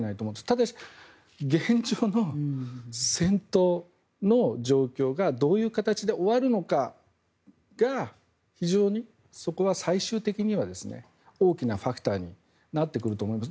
ただし、現状の戦闘の状況がどういう形で終わるのかが非常に、そこは最終的には大きなファクターになってくると思います。